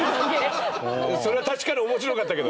それは確かに面白かったけど。